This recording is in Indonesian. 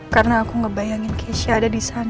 karena aku ngebayangin keisha ada disana